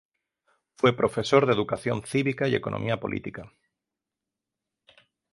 Fue profesor de educación cívica y economía política.